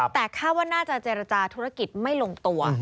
แต่คาดว่าน่าจะเจรจาธุรกิจไม่ลงตัว